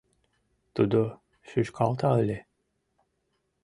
Тудо шӱшкалта ыле.